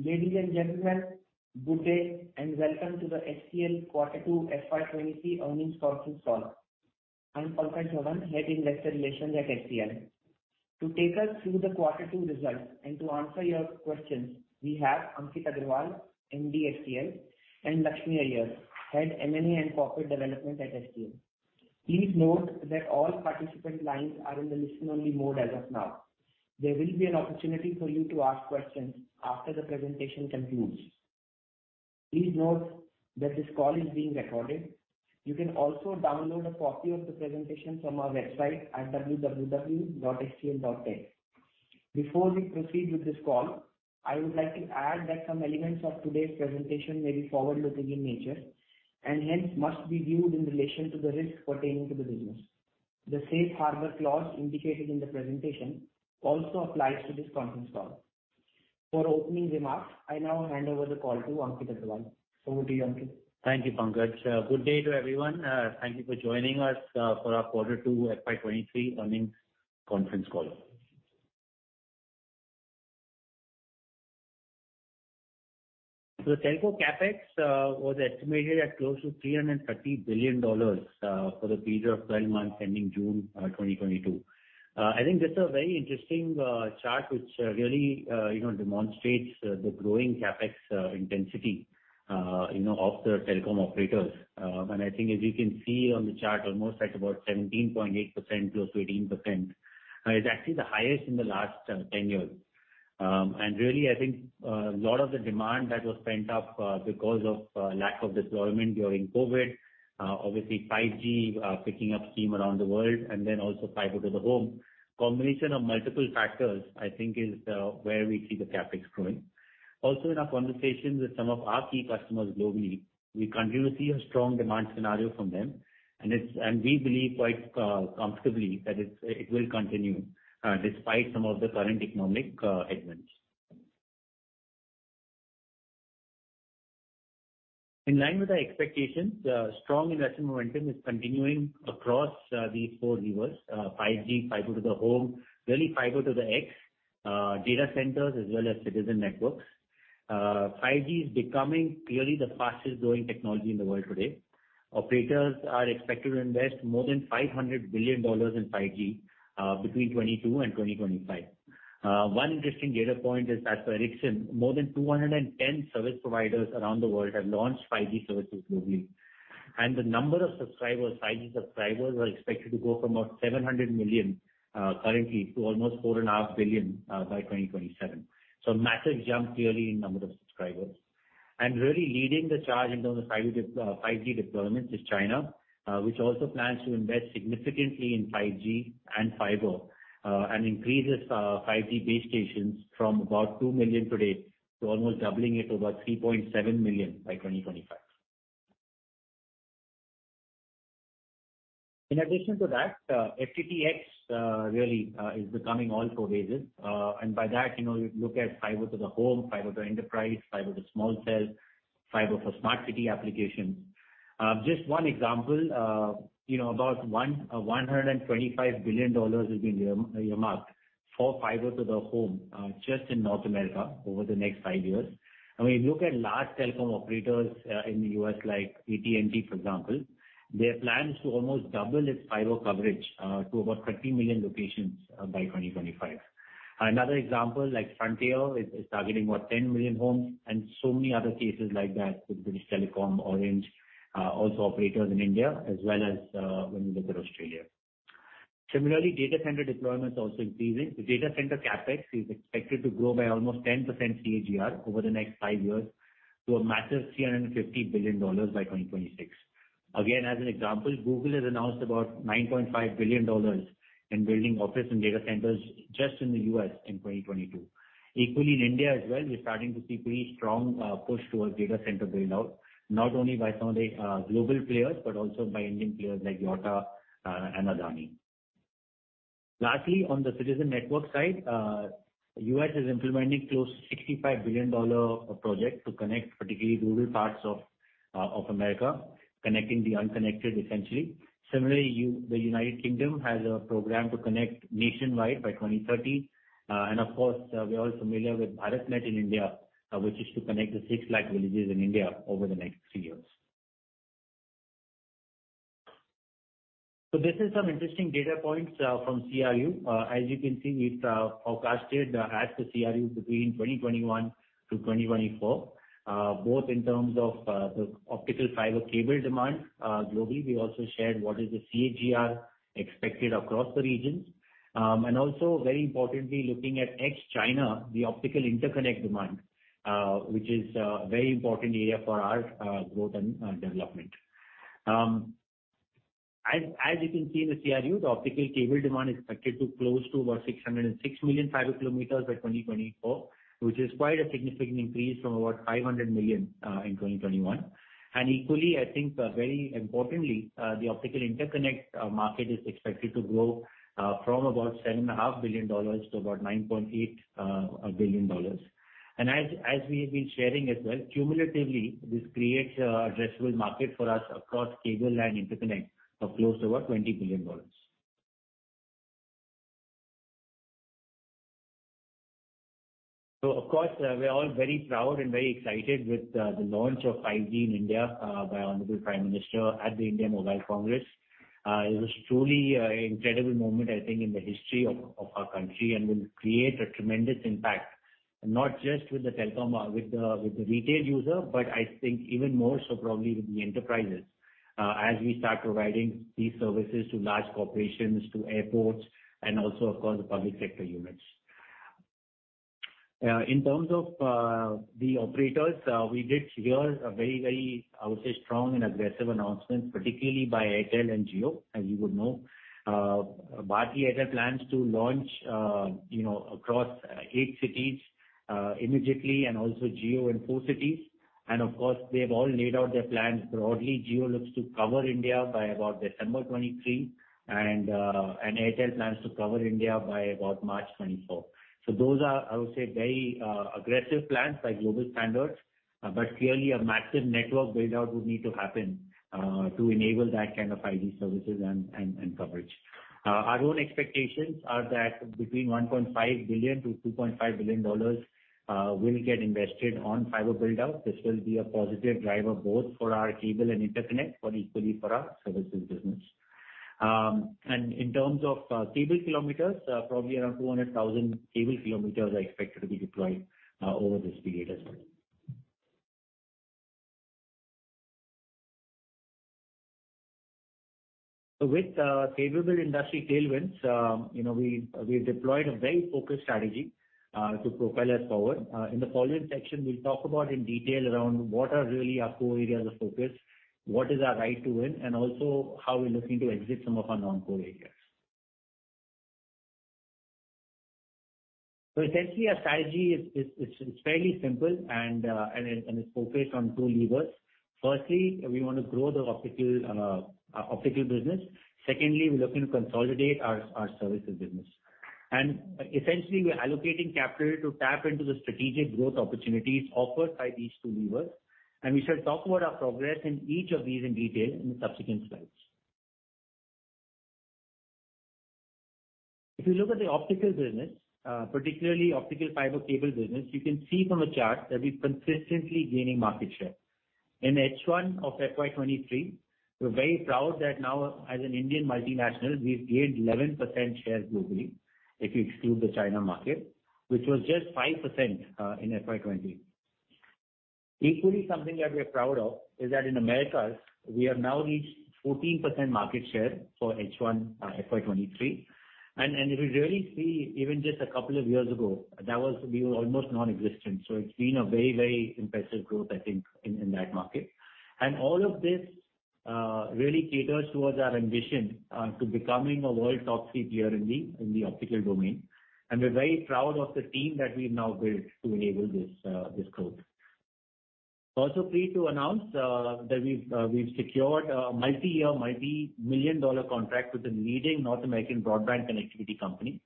Ladies and gentlemen, good day and welcome to the Sterlite Technologies Quarter Two FY 2023 Earnings Conference Call. I'm Pankaj Dhawan, Head Investor Relations at Sterlite Technologies. To take us through the quarter two results and to answer your questions, we have Ankit Agarwal, MD, Sterlite Technologies, and Lakshmi Iyer, Head M&A and Corporate Development at Sterlite Technologies. Please note that all participant lines are in the listen-only mode as of now. There will be an opportunity for you to ask questions after the presentation concludes. Please note that this call is being recorded. You can also download a copy of the presentation from our website at www.stl.tech. Before we proceed with this call, I would like to add that some elements of today's presentation may be forward-looking in nature, and hence must be viewed in relation to the risks pertaining to the business. The safe harbor clause indicated in the presentation also applies to this conference call. For opening remarks, I now hand over the call to Ankit Agarwal. Over to you, Ankit. Thank you, Pankaj. Good day to everyone. Thank you for joining us for our quarter two FY 2023 earnings conference call. The telco CapEx was estimated at close to $330 billion for the period of 12 months ending June 2022. I think this is a very interesting chart which really you know demonstrates the growing CapEx intensity you know of the telecom operators. I think as you can see on the chart, almost at about 17.8% close to 18% is actually the highest in the last 10 years. Really, I think a lot of the demand that was pent up because of lack of deployment during COVID, obviously 5G picking up steam around the world and then also Fiber to the Home. Combination of multiple factors, I think, is where we see the CapEx growing. Also in our conversations with some of our key customers globally, we continue to see a strong demand scenario from them, and it's. We believe quite comfortably that it will continue despite some of the current economic headwinds. In line with our expectations, strong investment momentum is continuing across these four levers. 5G, Fiber to the Home, really fiber to the X, data centers as well as citizen networks. 5G is becoming clearly the fastest growing technology in the world today. Operators are expected to invest more than $500 billion in 5G between 2022 and 2025. One interesting data point is as per Ericsson, more than 210 service providers around the world have launched 5G services globally. The number of subscribers, 5G subscribers, are expected to go from about 700 million currently to almost 4.5 billion by 2027. Massive jump clearly in number of subscribers. Really leading the charge in terms of 5G deployment is China, which also plans to invest significantly in 5G and fiber, and increases 5G base stations from about 2 million today to almost doubling it to about 3.7 million by 2025. In addition to that, FTTX really is becoming all pervasive. By that, you know, you look at fiber to the home, fiber to enterprise, fiber to small cells, fiber for smart city applications. Just one example, you know, about $125 billion will be earmarked for fiber to the home, just in North America over the next five years. When you look at large telecom operators in the US like AT&T for example, their plan is to almost double its fiber coverage to about 30 million locations by 2025. Another example, like Frontier is targeting about 10 million homes, and so many other cases like that with British Telecom, Orange, also operators in India as well as when you look at Australia. Similarly, data center deployment is also increasing. The data center CapEx is expected to grow by almost 10% CAGR over the next five years to a massive $350 billion by 2026. Again, as an example, Google has announced about $9.5 billion in building office and data centers just in the U.S. in 2022. Equally in India as well, we're starting to see pretty strong push towards data center build-out, not only by some of the global players but also by Indian players like Jio and Adani. Lastly, on the citizen network side, the U.S. is implementing close to $65 billion project to connect particularly rural parts of America, connecting the unconnected essentially. Similarly, the United Kingdom has a program to connect nationwide by 2030. Of course, we're all familiar with BharatNet in India, which is to connect the 600,000 villages in India over the next three years. This is some interesting data points from CRU. As you can see, we've forecasted according to CRU between 2021-2024, both in terms of the optical fiber cable demand globally. We also shared what is the CAGR expected across the regions. Also very importantly looking at ex-China, the optical interconnect demand, which is a very important area for our growth and development. As you can see in the CRU, the optical cable demand is expected to close to about 606 million fiber kilometers by 2024, which is quite a significant increase from about 500 million in 2021. Equally, I think, very importantly, the optical interconnect market is expected to grow from about $7.5 billion to about $9.8 billion. As we have been sharing as well, cumulatively this creates an addressable market for us across cable and interconnect of close to about $20 billion. Of course, we are all very proud and very excited with the launch of 5G in India by Honorable Prime Minister at the India Mobile Congress. It was truly an incredible moment, I think, in the history of our country and will create a tremendous impact, not just with the telecom. With the retail user, but I think even more so probably with the enterprises, as we start providing these services to large corporations, to airports, and also of course, the public sector units. In terms of the operators, we did hear a very, I would say, strong and aggressive announcements, particularly by Airtel and Jio. As you would know, Bharti Airtel plans to launch, you know, across eight cities immediately and also Jio in four cities. Of course, they have all laid out their plans broadly. Jio looks to cover India by about December 2023 and Airtel plans to cover India by about March 2024. Those are, I would say, very aggressive plans by global standards. Clearly a massive network build-out would need to happen to enable that kind of 5G services and coverage. Our own expectations are that between $1.5 billion-$2.5 billion will get invested on fiber build-out. This will be a positive driver both for our cable and interconnect, but equally for our services business. In terms of cable kilometers, probably around 200,000 cable kilometers are expected to be deployed over this period as well. With favorable industry tailwinds, you know, we deployed a very focused strategy to propel us forward. In the following section, we'll talk about in detail around what are really our core areas of focus, what is our right to win, and also how we're looking to exit some of our non-core areas. Essentially our strategy is fairly simple and it's focused on two levers. Firstly, we wanna grow the optical business. Secondly, we looking to consolidate our services business. Essentially we are allocating capital to tap into the strategic growth opportunities offered by these two levers, and we shall talk about our progress in each of these in detail in the subsequent slides. If you look at the optical business, particularly optical fiber cable business, you can see from the chart that we're consistently gaining market share. In H1 of FY 2023, we're very proud that now as an Indian multinational, we've gained 11% share globally, if you exclude the China market, which was just 5%, in FY 2020. Equally, something that we're proud of is that in Americas, we have now reached 14% market share for H1 FY 2023. If you really see even just a couple of years ago, that was. We were almost non-existent. It's been a very, very impressive growth, I think, in that market. All of this really caters toward our ambition to becoming a world top-tier player in the optical domain. We're very proud of the team that we've now built to enable this growth. Also pleased to announce that we've secured a multi-year, multi-million-dollar contract with a leading North American broadband connectivity company.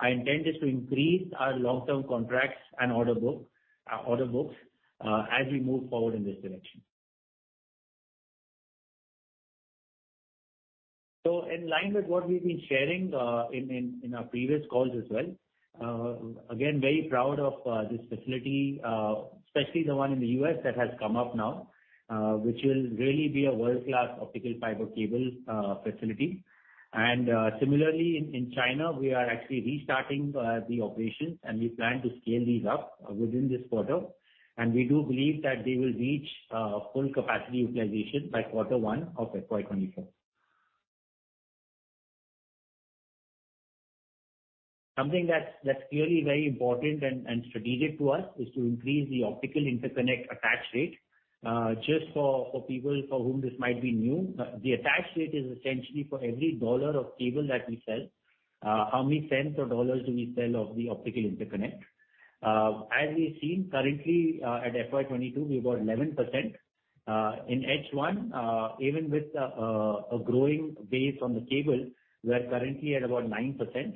Our intent is to increase our long-term contracts and order books as we move forward in this direction. In line with what we've been sharing in our previous calls as well, again, very proud of this facility, especially the one in the U.S. that has come up now, which will really be a world-class optical fiber cable facility. Similarly in China, we are actually restarting the operations, and we plan to scale these up within this quarter. We do believe that they will reach full capacity utilization by quarter one of FY 2024. Something that's clearly very important and strategic to us is to increase the optical interconnect attach rate. Just for people for whom this might be new, the attach rate is essentially for every dollar of cable that we sell, how many cents or dollars do we sell of the optical interconnect. As we've seen currently, at FY 2022, we've got 11%. In H1, even with a growing base on the cable, we are currently at about 9%.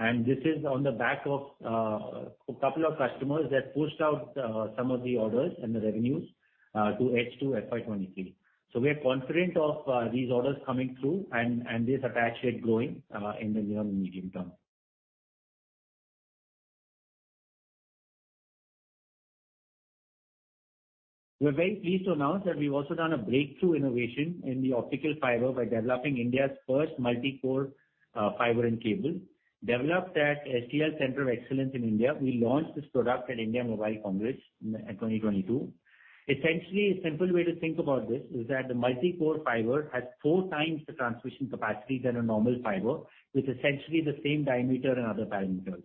This is on the back of a couple of customers that pushed out some of the orders and the revenues to H2 FY 2023. We are confident of these orders coming through and this attach rate growing in the near and medium term. We're very pleased to announce that we've also done a breakthrough innovation in the optical fiber by developing India's first multi-core fiber in cable. Developed at STL Centre of Excellence in India, we launched this product at India Mobile Congress in 2022. Essentially, a simple way to think about this is that the multi-core fiber has four times the transmission capacity than a normal fiber with essentially the same diameter and other parameters.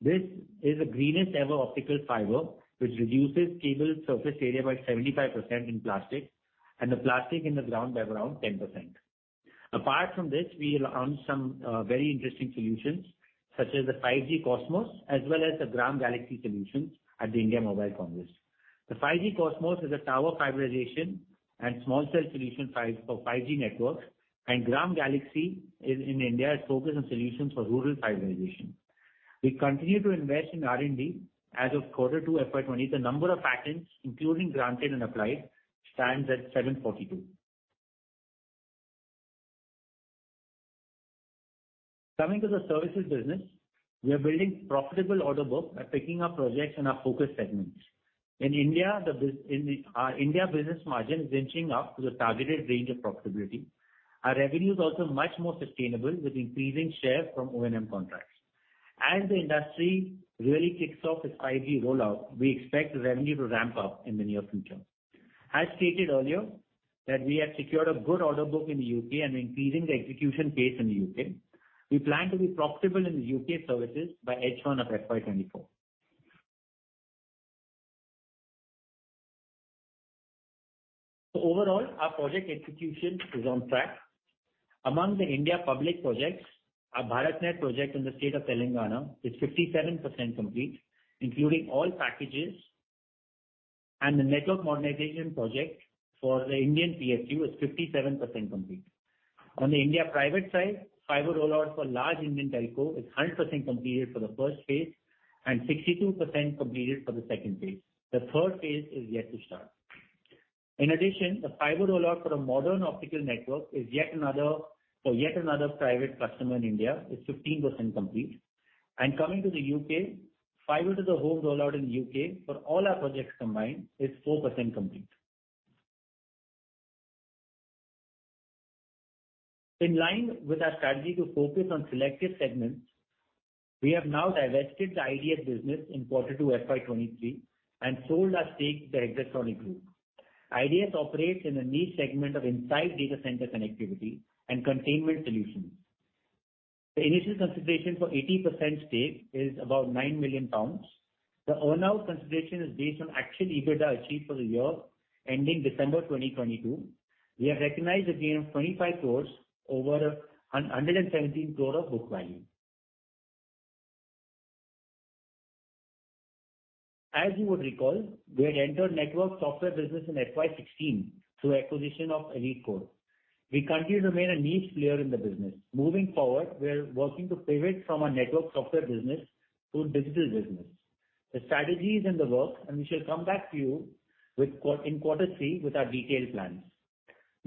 This is the greenest ever optical fiber, which reduces cable surface area by 75% in plastic, and the plastic in the ground by around 10%. Apart from this, we launched some very interesting solutions such as the 5G Cosmos as well as the Gram Galaxy solutions at the India Mobile Congress. The 5G Cosmos is a tower fiberization and small cell solution for 5G networks, and Gram Galaxy, in India, is focused on solutions for rural fiberization. We continue to invest in R&D. As of quarter two FY 2020, the number of patents including granted and applied stands at 742. Coming to the services business. We are building profitable order book by picking up projects in our focus segments. In India, our India business margin is inching up to the targeted range of profitability. Our revenue is also much more sustainable with increasing share from O&M contracts. As the industry really kicks off its 5G rollout, we expect the revenue to ramp up in the near future. As stated earlier, that we have secured a good order book in the U.K. and increasing the execution pace in the U.K. We plan to be profitable in the U.K. services by H1 of FY 2024. Overall, our project execution is on track. Among the India public projects, our BharatNet project in the state of Telangana is 57% complete, including all packages, and the network modernization project for the Indian PSU is 57% complete. On the India private side, fiber rollout for large Indian telco is 100% completed for the first phase and 62% completed for the second phase. The third phase is yet to start. In addition, the fiber rollout for a modern optical network for yet another private customer in India is 15% complete. Coming to the U.K., Fiber to the Home rollout in the U.K. for all our projects combined is 4% complete. In line with our strategy to focus on selective segments, we have now divested the IDS business in Q2 FY 2023 and sold our stake to the Hexatronic Group. IDS operates in a niche segment of inside data center connectivity and containment solutions. The initial consideration for 80% stake is about 9 million pounds. The earn-out consideration is based on actual EBITDA achieved for the year ending December 2022. We have recognized a gain of 25 crore over 117 crore of book value. As you would recall, we had entered network software business in FY 2016 through acquisition of Elitecore. We continue to remain a niche player in the business. Moving forward, we are working to pivot from our network software business to a digital business. The strategy is in the works, and we shall come back to you in quarter three with our detailed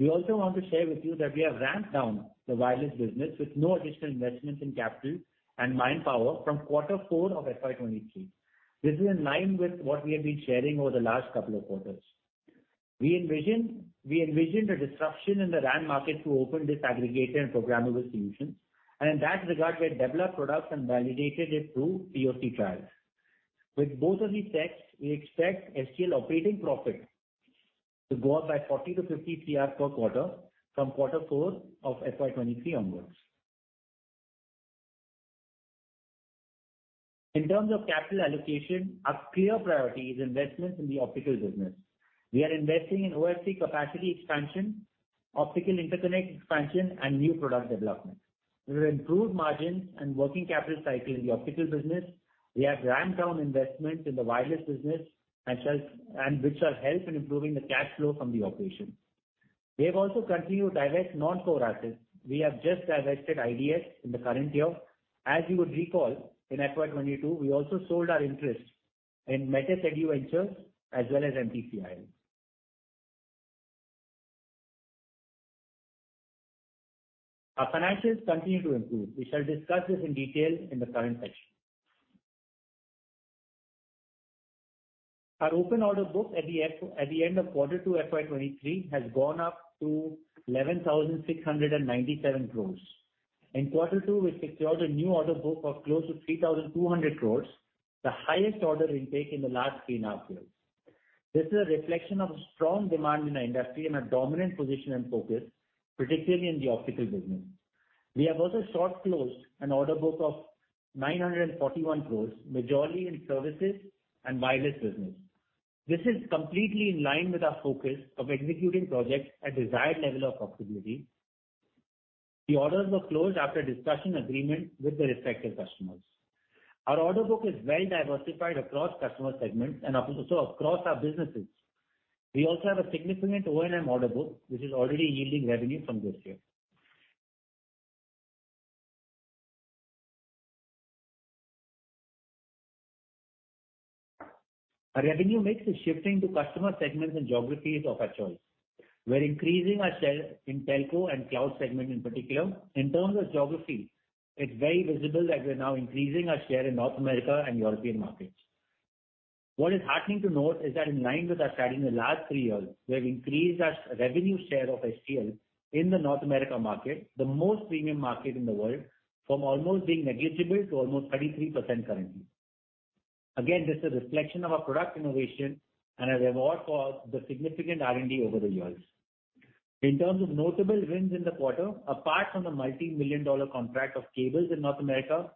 plans. We also want to share with you that we have ramped down the wireless business with no additional investments in capital and manpower from quarter four of FY 2023. This is in line with what we have been sharing over the last couple of quarters. We envision a disruption in the RAN market to open disaggregated and programmable solutions, and in that regard, we have developed products and validated it through PoC trials. With both of these checks, we expect STL operating profit to go up by 40-50 CR per quarter from quarter four of FY 2023 onwards. In terms of capital allocation, our clear priority is investments in the optical business. We are investing in OFC capacity expansion, optical interconnect expansion and new product development. With improved margins and working capital cycle in the optical business, we have ramped down investments in the wireless business, which shall help in improving the cash flow from the operation. We have also continued to divest non-core assets. We have just divested IDS in the current year. As you would recall, in FY 2022, we also sold our interest in Metis Eduventures as well as IDS. Our financials continue to improve. We shall discuss this in detail in the current section. Our open order book at the end of quarter two FY 2023 has gone up to 11,697 crores. In quarter two, we secured a new order book of close to 3,200 crores, the highest order intake in the last three and a half years. This is a reflection of strong demand in our industry and our dominant position and focus, particularly in the optical business. We have also short closed an order book of 941 crores, majority in services and wireless business. This is completely in line with our focus of executing projects at desired level of profitability. The orders were closed after discussion agreement with the respective customers. Our order book is well diversified across customer segments and also across our businesses. We also have a significant O&M order book, which is already yielding revenue from this year. Our revenue mix is shifting to customer segments and geographies of our choice. We're increasing our share in telco and cloud segment in particular. In terms of geography, it's very visible that we are now increasing our share in North America and European markets. What is heartening to note is that in line with our strategy in the last three years, we have increased our revenue share of HCL in the North America market, the most premium market in the world, from almost being negligible to almost 33% currently. Again, this is a reflection of our product innovation and a reward for the significant R&D over the years. In terms of notable wins in the quarter, apart from the multi-million-dollar contract of cables in North America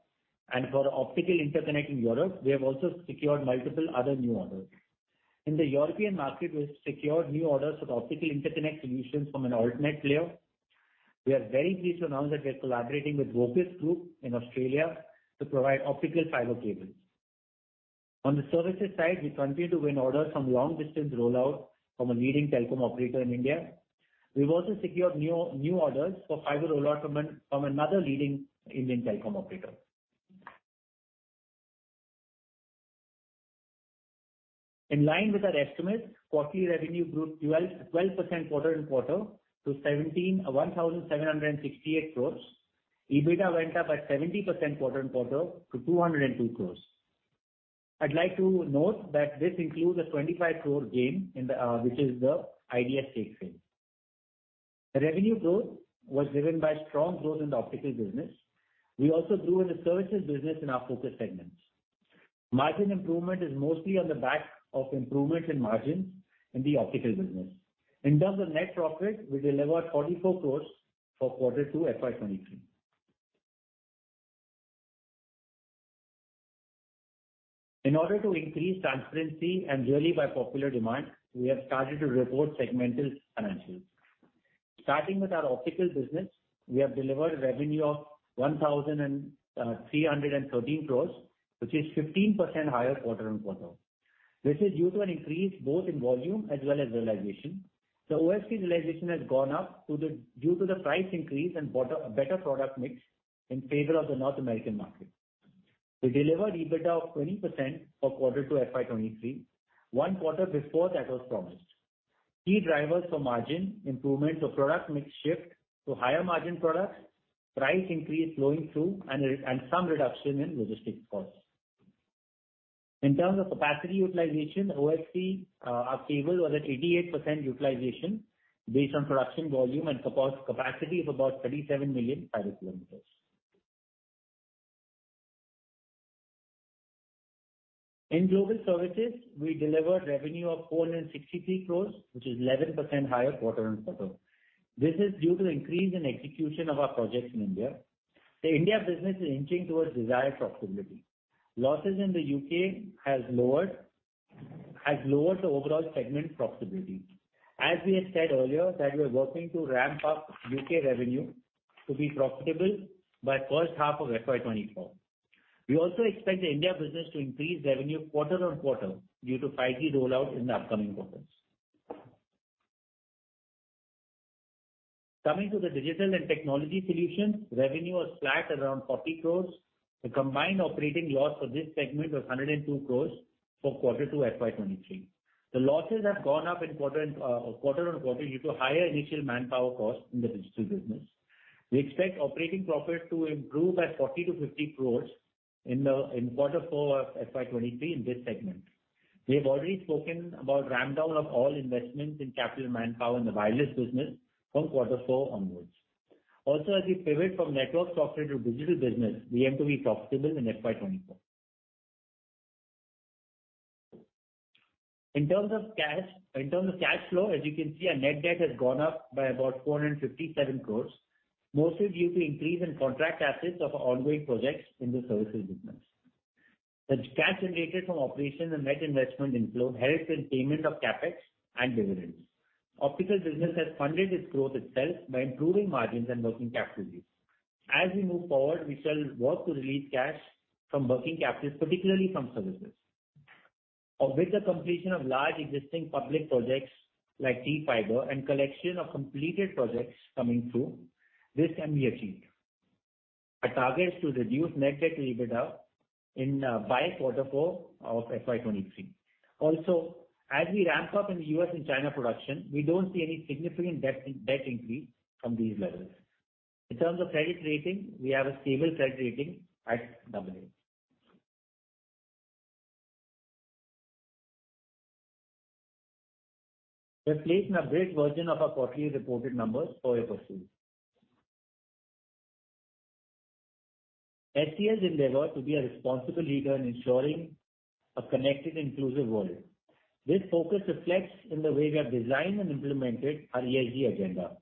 and for optical interconnect in Europe, we have also secured multiple other new orders. In the European market, we've secured new orders for optical interconnect solutions from an Altnet player. We are very pleased to announce that we are collaborating with Vocus Group in Australia to provide optical fiber cables. On the services side, we continue to win orders from long distance rollout from a leading telecom operator in India. We've also secured new orders for fiber rollout from another leading Indian telecom operator. In line with our estimates, quarterly revenue grew 12% quarter-over-quarter to 1,768 crores. EBITDA went up by 70% quarter-over-quarter to 202 crores. I'd like to note that this includes a 25 crore gain in the, which is the IDS stake sale. The revenue growth was driven by strong growth in the optical business. We also grew in the services business in our focus segments. Margin improvement is mostly on the back of improvements in margins in the optical business. In terms of net profit, we delivered 44 crore for quarter two FY 2023. In order to increase transparency and really by popular demand, we have started to report segmental financials. Starting with our optical business, we have delivered revenue of 1,313 crore, which is 15% higher quarter-on-quarter. This is due to an increase both in volume as well as realization. The OFC realization has gone up due to the price increase and better product mix in favor of the North American market. We delivered EBITDA of 20% for quarter two FY 2023, one quarter before that was promised. Key drivers for margin improvement are product mix shift to higher margin products, price increase flowing through and some reduction in logistics costs. In terms of capacity utilization, OFC our cable was at 88% utilization based on production volume and capacity of about 37 million fiber km. In global services, we delivered revenue of 463 crore, which is 11% higher quarter-on-quarter. This is due to the increase in execution of our projects in India. The India business is inching towards desired profitability. Losses in the U.K. has lowered the overall segment profitability. As we have said earlier, that we are working to ramp up UK revenue to be profitable by first half of FY 2024. We also expect the India business to increase revenue quarter-on-quarter due to 5G rollout in the upcoming quarters. Coming to the digital and technology solutions, revenue was flat around 40 crores. The combined operating loss for this segment was 102 crores for quarter two FY 2023. The losses have gone up quarter-on-quarter due to higher initial manpower costs in the digital business. We expect operating profit to improve by 40-50 crores in quarter four of FY 2023 in this segment. We have already spoken about ramp down of all investments in capital and manpower in the wireless business from quarter four onwards. Also, as we pivot from network software to digital business, we aim to be profitable in FY 2024. In terms of cash flow, as you can see, our net debt has gone up by about 457 crores, mostly due to increase in contract assets of our ongoing projects in the services business. The cash generated from operations and net investment inflow helped with payment of CapEx and dividends. Optical business has funded its growth itself by improving margins and working capital use. As we move forward, we shall work to release cash from working capital, particularly from services. With the completion of large existing public projects like T-Fiber and collection of completed projects coming through, this can be achieved. Our target is to reduce net debt to EBITDA by quarter four of FY 2023. As we ramp up in U.S. and China production, we don't see any significant debt increase from these levels. In terms of credit rating, we have a stable credit rating at AA. We have placed an updated version of our quarterly reported numbers for your perusal. STL's endeavor to be a responsible leader in ensuring a connected, inclusive world. This focus reflects in the way we have designed and implemented our ESG agenda.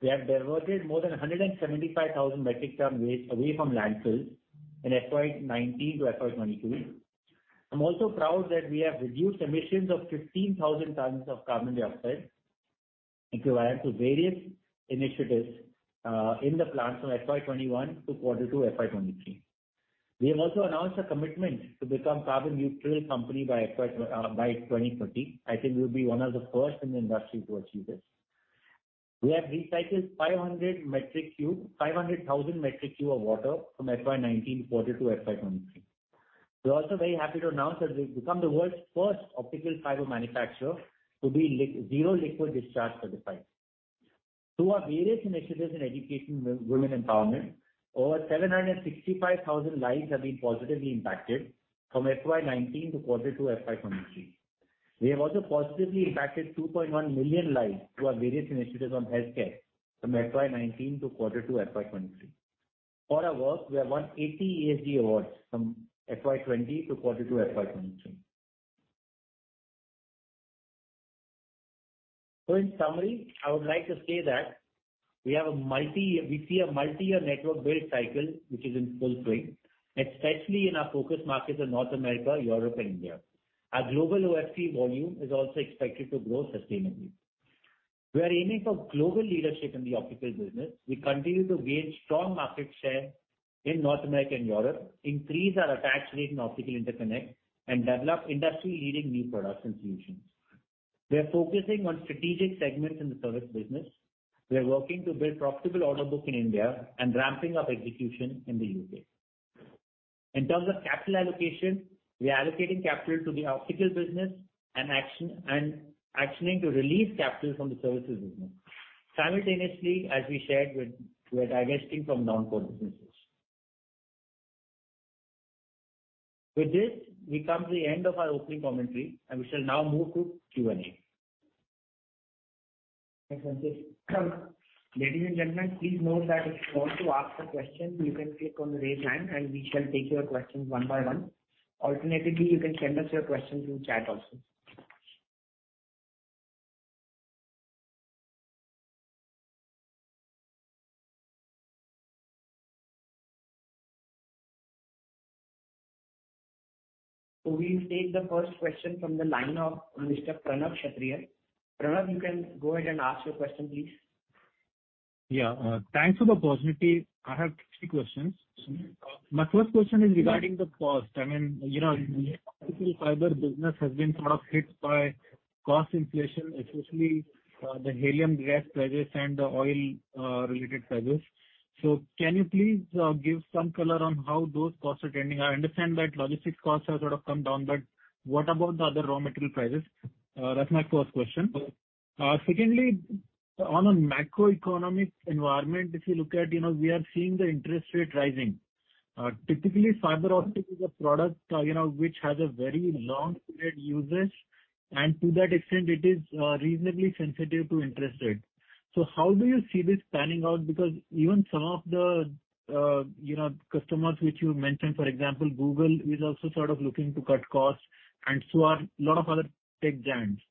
We have diverted more than 175,000 metric tons of waste away from landfills in FY 2019 to FY 2022. I'm also proud that we have reduced emissions of 15,000 tons of carbon dioxide equivalent through various initiatives in the plant from FY 2021 to Q2 FY 2023. We have also announced a commitment to become carbon-neutral company by FY 2030. I think we'll be one of the first in the industry to achieve this. We have recycled 500,000 cubic meters of water from FY 2019, Q2 FY 2023. We're also very happy to announce that we've become the world's first optical fiber manufacturer to be zero liquid discharge certified. Through our various initiatives in education women empowerment, over 765,000 lives have been positively impacted from FY 2019 to Q2 FY 2023. We have also positively impacted 2.1 million lives through our various initiatives on healthcare from FY 2019 to Q2 FY 2023. For our work, we have won 80 ESG awards from FY 2020 to Q2 FY 2022. In summary, I would like to say that we have a multi. We see a multi-year network build cycle, which is in full swing, especially in our focus markets of North America, Europe and India. Our global OFC volume is also expected to grow sustainably. We are aiming for global leadership in the optical business. We continue to gain strong market share in North America and Europe, increase our attach rate in optical interconnect and develop industry-leading new products and solutions. We are focusing on strategic segments in the service business. We are working to build profitable order book in India and ramping up execution in the U.K. In terms of capital allocation, we are allocating capital to the optical business and actioning to release capital from the services business. Simultaneously, as we shared, we're divesting from non-core businesses. With this, we come to the end of our opening commentary, and we shall now move to Q&A. Thanks, Ankit. Ladies and gentlemen, please note that if you want to ask a question, you can click on Raise Hand and we shall take your questions one by one. Alternatively, you can send us your questions in chat also. We'll take the first question from the line of Mr. Pranav Kshatriya. Pranav, you can go ahead and ask your question, please. Yeah. Thanks for the opportunity. I have three questions. Sure. My first question is regarding the cost. I mean, you know, optical fiber business has been sort of hit by cost inflation, especially the helium gas prices and the oil related prices. Can you please give some color on how those costs are trending? I understand that logistics costs have sort of come down, but what about the other raw material prices? That's my first question. Secondly, on a macroeconomic environment, if you look at, you know, we are seeing the interest rate rising. Typically fiber optic is a product, you know, which has a very long period usage, and to that extent, it is reasonably sensitive to interest rate. How do you see this panning out? Because even some of the customers which you mentioned, for example, Google, is also sort of looking to cut costs and so are a lot of other big giants.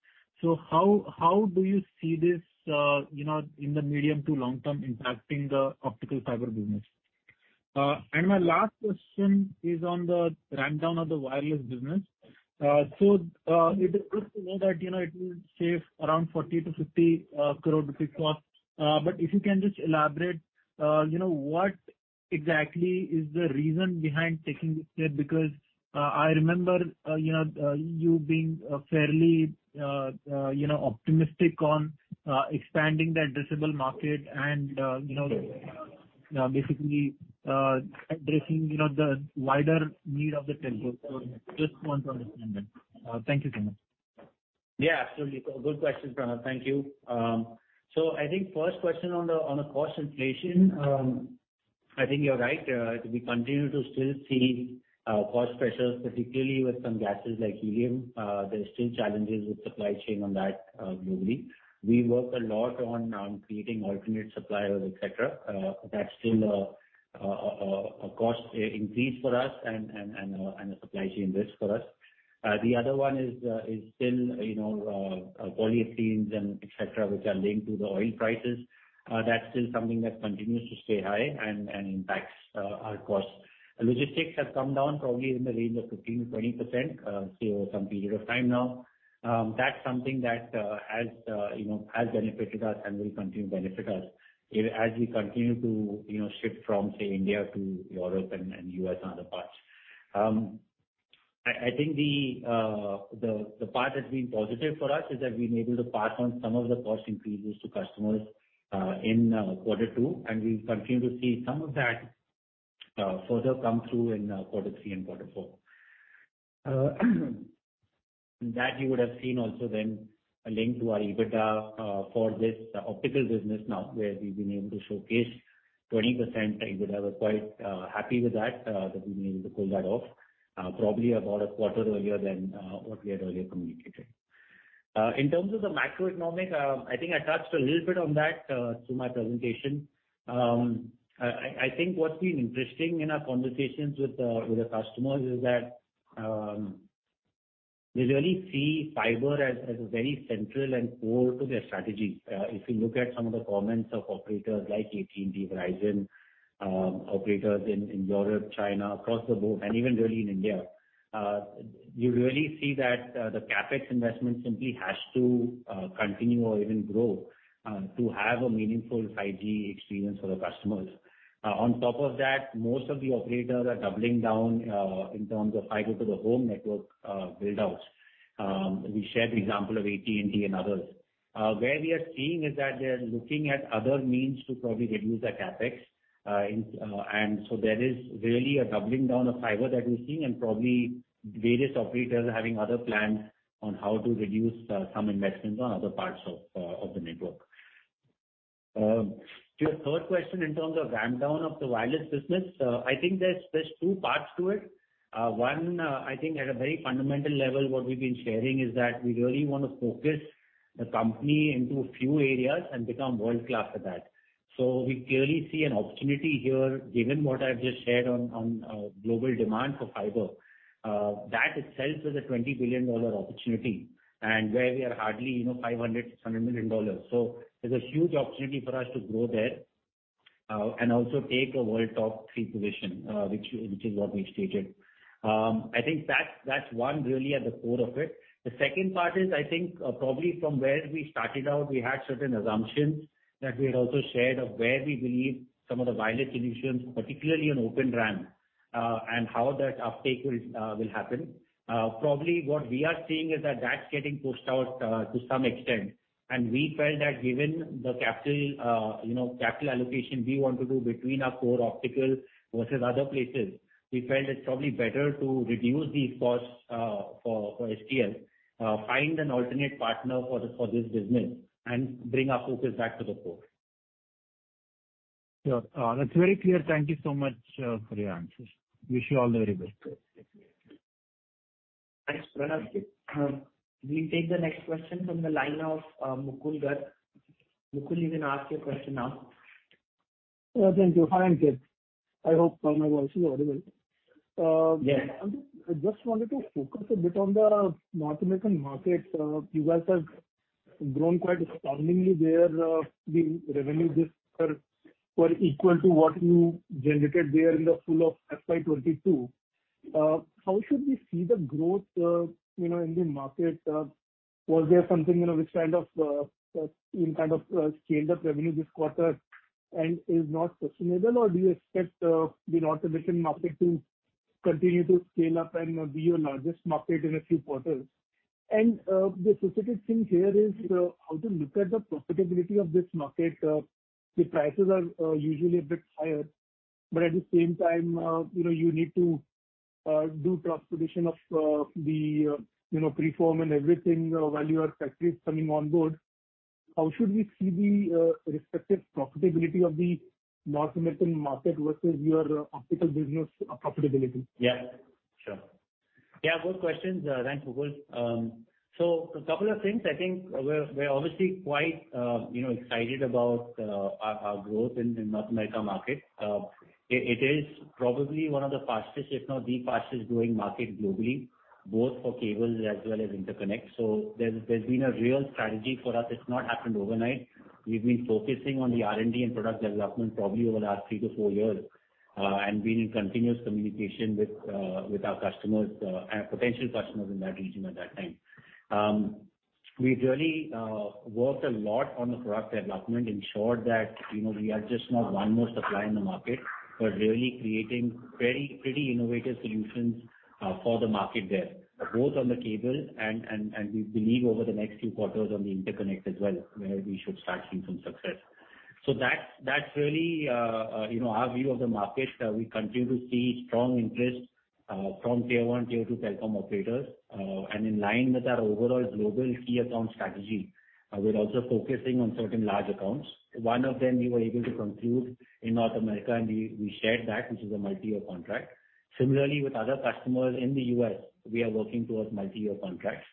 How do you see this in the medium to long term impacting the optical fiber business? My last question is on the ramp down of the wireless business. It is good to know that it will save around 40 crore-50 crore rupees cost. If you can just elaborate what exactly is the reason behind taking this step? Because I remember you being fairly optimistic on expanding the addressable market and basically addressing the wider need of the telcos. Just want to understand that. Thank you so much. Yeah, absolutely. Good question, Pranav. Thank you. So I think first question on the cost inflation. I think you're right. We continue to still see cost pressures, particularly with some gases like helium. There are still challenges with supply chain on that globally. We work a lot on creating alternate suppliers, et cetera. That's still a cost increase for us and a supply chain risk for us. The other one is still, you know, polyethylene and et cetera, which are linked to the oil prices. That's still something that continues to stay high and impacts our costs. Logistics has come down probably in the range of 15%-20%, say over some period of time now. That's something that you know has benefited us and will continue to benefit us as we continue to you know shift from say India to Europe and US and other parts. I think the part that's been positive for us is that we've been able to pass on some of the cost increases to customers in quarter two, and we continue to see some of that further come through in quarter three and quarter four. That you would have seen also then a link to our EBITDA for this optical business now where we've been able to showcase 20% EBITDA. We're quite happy with that we've been able to pull that off probably about a quarter earlier than what we had earlier communicated. In terms of the macroeconomic, I think I touched a little bit on that through my presentation. I think what's been interesting in our conversations with the customers is that they really see fiber as very central and core to their strategy. If you look at some of the comments of operators like AT&T, Verizon, operators in Europe, China, across the board and even really in India, you really see that the CapEx investment simply has to continue or even grow to have a meaningful 5G experience for the customers. On top of that, most of the operators are doubling down in terms of Fiber to the Home network build-outs. We shared the example of AT&T and others. Where we are seeing is that they're looking at other means to probably reduce their CapEx. There is really a doubling down of fiber that we're seeing and probably various operators having other plans on how to reduce some investments on other parts of the network. To your third question in terms of ramp down of the wireless business, I think there's two parts to it. One, I think at a very fundamental level, what we've been sharing is that we really wanna focus the company into a few areas and become world-class at that. We clearly see an opportunity here, given what I've just shared on global demand for fiber. That itself is a $20 billion opportunity and where we are hardly, you know, $500-$600 million. There's a huge opportunity for us to grow there. Also take a world top three position, which is what we stated. I think that's one really at the core of it. The second part is, I think, probably from where we started out, we had certain assumptions that we had also shared of where we believe some of the wireless solutions, particularly on Open RAN, and how that uptake will happen. Probably what we are seeing is that that's getting pushed out to some extent. We felt that given the capital, you know, capital allocation we want to do between our core optical versus other places, we felt it's probably better to reduce the costs for STL, find an alternate partner for this business and bring our focus back to the core. Sure. That's very clear. Thank you so much for your answers. Wish you all the very best. Thank you. Thanks. Pranav Kshatriya. We'll take the next question from the line of Mukul Garg. Mukul, you can ask your question now. Thank you. Hi, Ankit. I hope my voice is audible. Yes. Ankit, I just wanted to focus a bit on the North American market. You guys have grown quite astoundingly there. The revenue this quarter were equal to what you generated there in the full FY 2022. How should we see the growth, you know, in the market? Was there something, you know, which kind of scaled up revenue this quarter and is not sustainable? Or do you expect the North American market to continue to scale up and be your largest market in a few quarters? The specific thing here is how to look at the profitability of this market. The prices are usually a bit higher, but at the same time, you know, you need to do transportation of the you know, preform and everything while your factory is coming on board. How should we see the respective profitability of the North American market versus your optical business profitability? Yeah. Sure. Yeah, good questions. Thanks, Mukul. A couple of things. I think we're obviously quite excited about our growth in the North America market. It is probably one of the fastest, if not the fastest growing market globally, both for cables as well as interconnect. There's been a real strategy for us. It's not happened overnight. We've been focusing on the R&D and product development probably over the last three to four years. We've been in continuous communication with our customers and potential customers in that region at that time. We've really worked a lot on the product development. Ensured that, you know, we are just not one more supplier in the market, but really creating very proprietary innovative solutions for the market there, both on the cable and we believe over the next few quarters on the interconnect as well, where we should start seeing some success. That's really, you know, our view of the market. We continue to see strong interest from Tier 1, Tier 2 telecom operators. In line with our overall global key account strategy, we're also focusing on certain large accounts. One of them we were able to conclude in North America, and we shared that, which is a multi-year contract. Similarly, with other customers in the U.S., we are working towards multi-year contracts.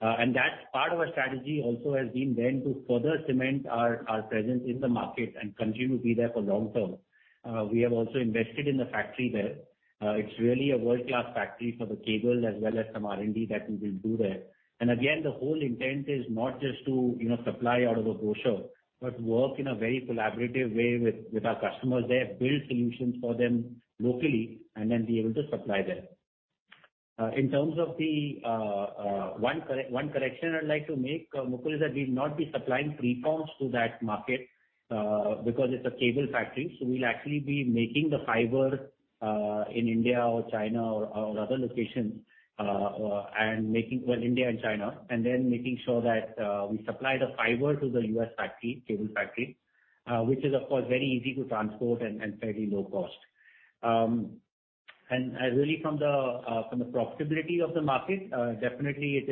That's part of our strategy also has been then to further cement our presence in the market and continue to be there for long term. We have also invested in a factory there. It's really a world-class factory for the cable as well as some R&D that we will do there. Again, the whole intent is not just to, you know, supply out of a brochure, but work in a very collaborative way with our customers there. Build solutions for them locally and then be able to supply there. In terms of the one correction I'd like to make, Mukul, is that we'll not be supplying preforms to that market, because it's a cable factory. So we'll actually be making the fiber in India or China or other locations and making. Well, India and China, and then making sure that we supply the fiber to the U.S. factory, cable factory, which is of course very easy to transport and fairly low cost. And really from the profitability of the market, definitely it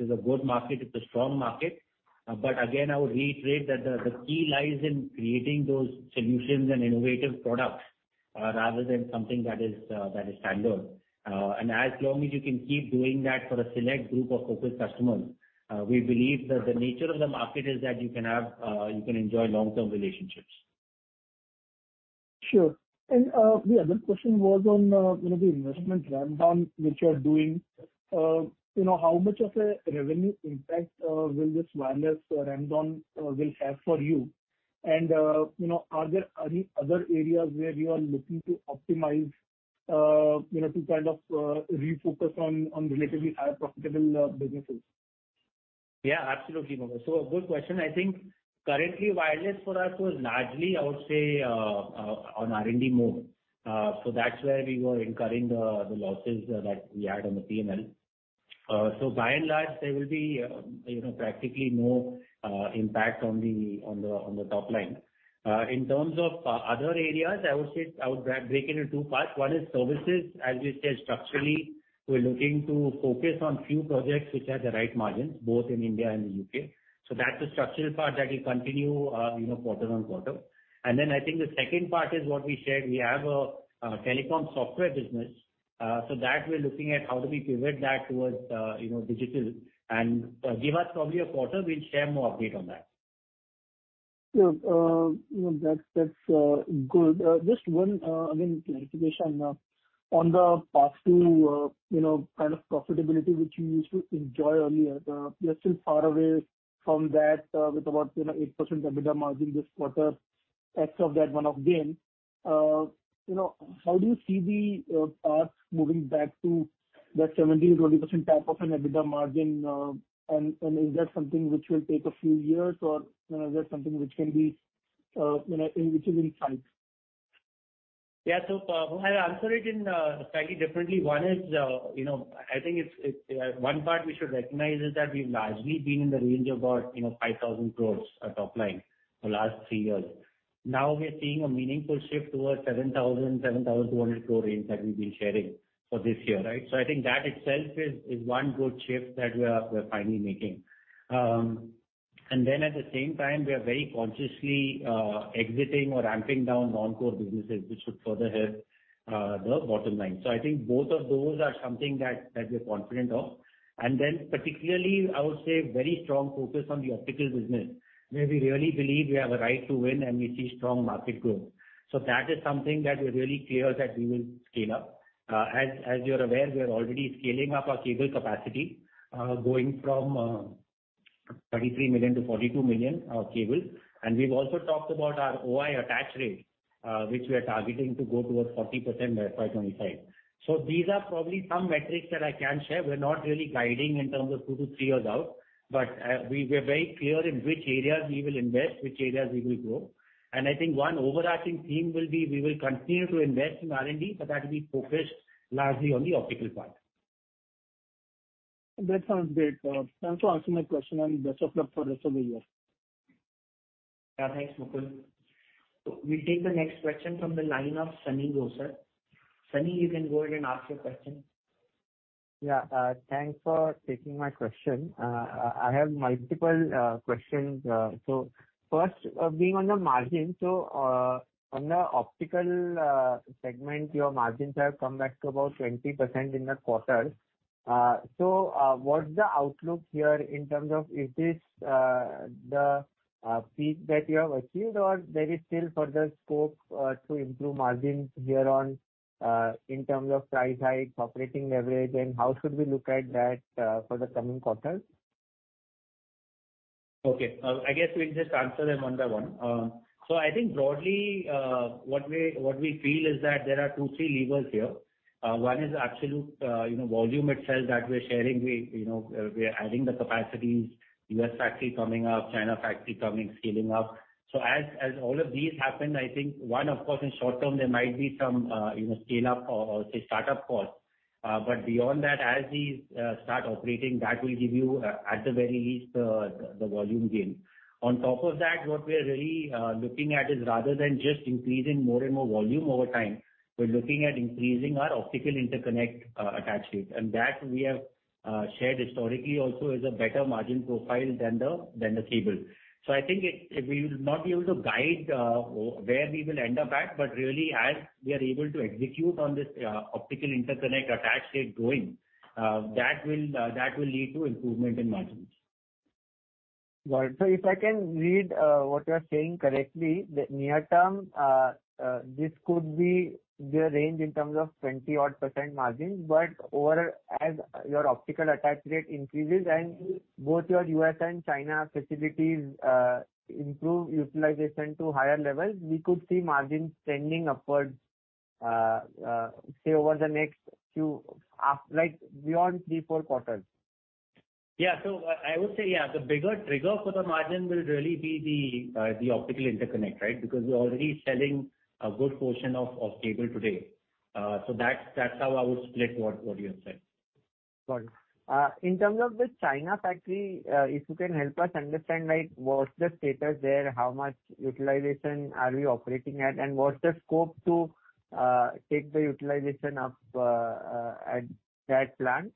is a good market. It's a strong market. But again, I would reiterate that the key lies in creating those solutions and innovative products, rather than something that is standard. And as long as you can keep doing that for a select group of focused customers, we believe that the nature of the market is that you can enjoy long-term relationships. Sure. The other question was on, you know, the investment ramp down which you're doing. You know, how much of a revenue impact will this wireless ramp down have for you? You know, are there any other areas where you are looking to optimize, you know, to kind of refocus on relatively higher profitable businesses? Yeah, absolutely, Mukul. A good question. I think currently wireless for us was largely, I would say, on R&D mode. That's where we were incurring the losses that we had on the P&L. By and large, there will be, you know, practically no impact on the top line. In terms of other areas, I would say I would break it in two parts. One is services. As we said structurally, we're looking to focus on few projects which have the right margins, both in India and the U.K. That's the structural part that will continue, you know, quarter on quarter. Then I think the second part is what we shared. We have a telecom software business, so that we're looking at how do we pivot that towards, you know, digital. Give us probably a quarter, we'll share more update on that. Sure. You know, that's good. Just one, again, clarification, on the path to, you know, kind of profitability which you used to enjoy earlier, you are still far away from that, with about, you know, 8% EBITDA margin this quarter. Excluding that one-off gain. You know, how do you see the path moving back to that 17%-20% type of an EBITDA margin? And is that something which will take a few years or, you know, is that something which can be, you know, in sight? Yeah. I'll answer it in slightly differently. One is, you know, I think it's one part we should recognize is that we've largely been in the range of about, you know, 5,000 crore at top line for the last three years. Now we are seeing a meaningful shift towards 7,200 crore range that we've been sharing for this year, right? I think that itself is one good shift that we're finally making. And then at the same time we are very consciously exiting or ramping down non-core businesses, which should further help the bottom line. I think both of those are something that we're confident of. Particularly I would say very strong focus on the optical business, where we really believe we have a right to win and we see strong market growth. That is something that we're really clear that we will scale up. As you're aware, we are already scaling up our cable capacity, going from 33 million-42 million cable. We've also talked about our OI attach rate, which we are targeting to go towards 40% by 2025. These are probably some metrics that I can share. We're not really guiding in terms of two to three years out, but we're very clear in which areas we will invest, which areas we will grow. I think one overarching theme will be we will continue to invest in R&D, but that will be focused largely on the optical part. That sounds great. Thanks for answering my question and best of luck for rest of the year. Yeah, thanks Mukul. We take the next question from the line of Sunny Gosar. Sunny, you can go ahead and ask your question. Yeah, thanks for taking my question. I have multiple questions. First, on the margins, on the optical segment, your margins have come back to about 20% in the quarter. What's the outlook here in terms of, is this the peak that you have achieved or there is still further scope to improve margins here in terms of price hike, operating leverage, and how should we look at that for the coming quarters? Okay. I guess we'll just answer them one by one. I think broadly, what we feel is that there are two, three levers here. One is absolute, you know, volume itself that we're sharing. You know, we are adding the capacities, US factory coming up, China factory coming, scaling up. As all of these happen, I think one of course in short term there might be some, you know, scale up or say startup costs. Beyond that, as these start operating, that will give you, at the very least, the volume gain. On top of that, what we are really looking at is rather than just increasing more and more volume over time, we're looking at increasing our optical interconnect attach rates. That we have shared historically also is a better margin profile than the cable. So I think it, we will not be able to guide where we will end up at, but really, as we are able to execute on this optical interconnect attach rate going, that will lead to improvement in margins. Got it. If I can read what you are saying correctly, the near term, this could be your range in terms of 20% odd margins, but as your optical attach rate increases and both your U.S. and China facilities improve utilization to higher levels, we could see margins trending upwards, say over the next few, like beyond three to four quarters. Yeah. I would say, yeah, the bigger trigger for the margin will really be the optical interconnect, right? Because we're already selling a good portion of cable today. That's how I would split what you have said. Got it. In terms of the China factory, if you can help us understand, like what's the status there? How much utilization are we operating at, and what's the scope to take the utilization up at that plant?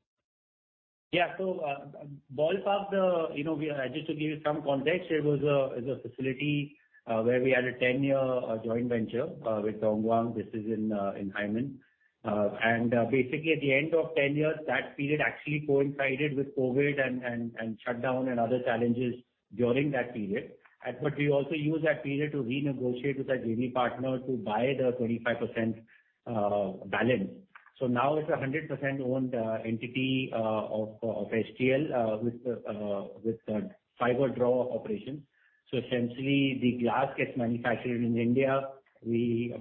Just to give you some context, it's a facility where we had a 10-year joint venture with Tongguang. This is in Haimen. Basically at the end of 10 years, that period actually coincided with COVID and shutdown and other challenges during that period. But we also used that period to renegotiate with that JV partner to buy the 25% balance. Now it's a 100% owned entity of STL with the fiber draw operation. Essentially the glass gets manufactured in India. We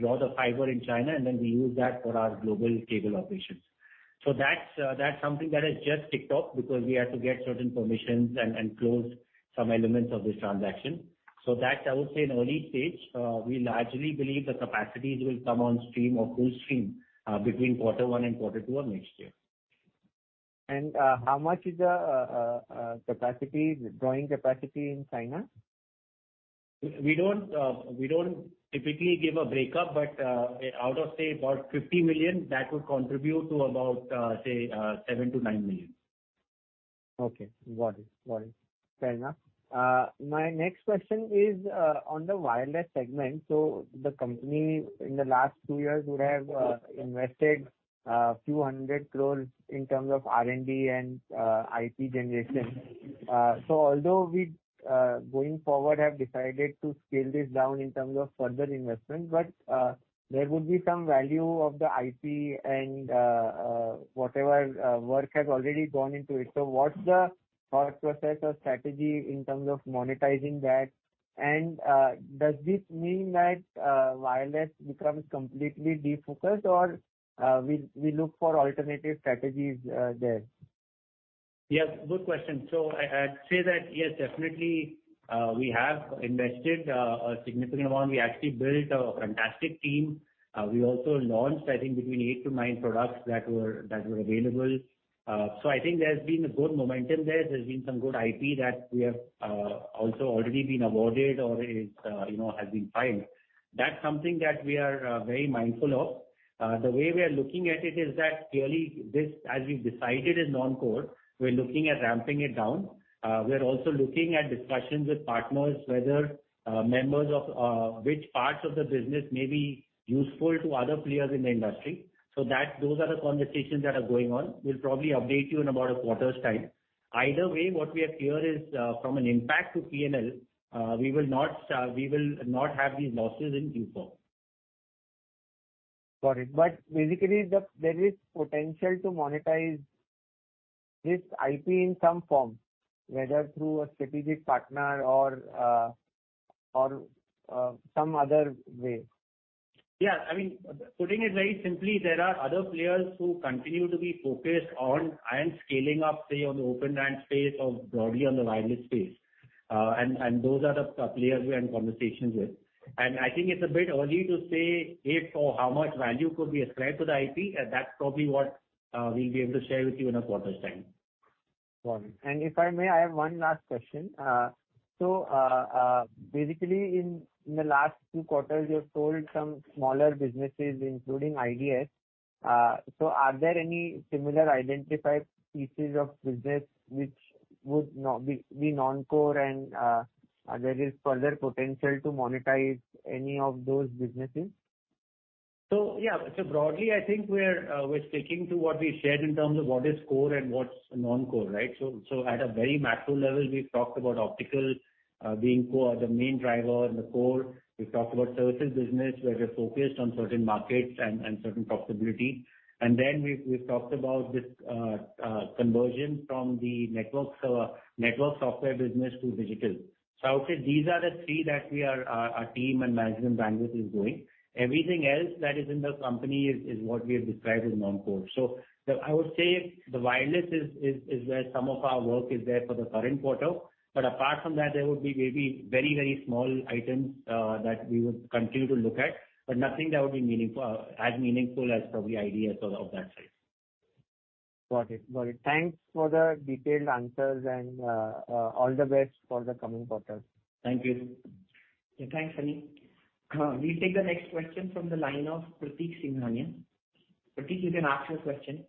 draw the fiber in China, and then we use that for our global cable operations. That's something that has just ticked off because we had to get certain permissions and close some elements of this transaction. That's, I would say, an early stage. We largely believe the capacities will come on stream or full stream between quarter one and quarter two of next year. How much is the capacity, drawing capacity in China? We don't typically give a breakup, but out of, say, about 50 million, that would contribute to about, say, 7 million-9 million. Okay. Got it. Fair enough. My next question is on the wireless segment. The company in the last two years would have invested a few 100 crores in terms of R&D and IP generation. Although we going forward have decided to scale this down in terms of further investment, but there would be some value of the IP and whatever work has already gone into it. What's the thought process or strategy in terms of monetizing that? Does this mean that wireless becomes completely defocused or we look for alternative strategies there? Yes, good question. I'd say that, yes, definitely, we have invested a significant amount. We actually built a fantastic team. We also launched, I think, between eight to nine products that were available. So I think there's been a good momentum there. There's been some good IP that we have also already been awarded or has been filed. That's something that we are very mindful of. The way we are looking at it is that clearly this, as we've decided, is non-core. We're looking at ramping it down. We're also looking at discussions with partners, whether which parts of the business may be useful to other players in the industry. Those are the conversations that are going on. We'll probably update you in about a quarter's time. Either way, what we are clear is, from an impact to P&L, we will not have these losses in Q4. Got it. Basically there is potential to monetize this IP in some form, whether through a strategic partner or some other way. Yeah. I mean, putting it very simply, there are other players who continue to be focused on and scaling up, say, on the Open RAN space or broadly on the wireless space. Those are the players we are in conversations with. I think it's a bit early to say if or how much value could be ascribed to the IP. That's probably what we'll be able to share with you in a quarter's time. Got it. If I may, I have one last question. Basically in the last two quarters, you've sold some smaller businesses, including IDS. Are there any similar identified pieces of business which would be non-core, and there is further potential to monetize any of those businesses? Broadly, I think we're sticking to what we shared in terms of what is core and what's non-core, right? At a very macro level, we've talked about optical being core, the main driver in the core. We've talked about services business, where we're focused on certain markets and certain profitability. Then we've talked about this conversion from the network software business to digital. I would say these are the three that our team and management bandwidth is going. Everything else that is in the company is what we have described as non-core. I would say the wireless is where some of our work is there for the current quarter. Apart from that, there would be maybe very, very small items that we would continue to look at, but nothing that would be as meaningful as probably IDS or of that size. Got it. Thanks for the detailed answers and all the best for the coming quarters. Thank you. Yeah. Thanks, Sunny. We'll take the next question from the line of Pratik Singhania. Pratik, you can ask your question.